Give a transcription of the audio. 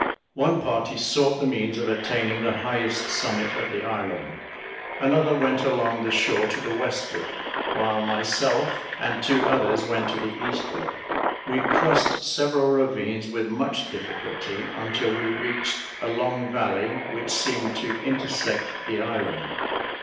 One party sought the means of attaining the highest summit of the island; another went along the shore to the westward; while myself and two others went to the eastward. We crossed several ravines, with much difficulty, until we reached a long valley, which seemed to intersect the island.